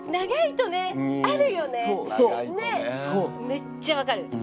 めっちゃわかる！